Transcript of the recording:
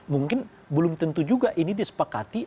mungkin belum tentu juga ini disepakati